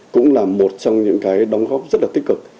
cũng là một trong những cái đóng góp rất là tích cực